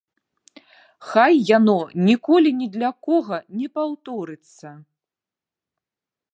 Хай яно ніколі ні для кога не паўторыцца.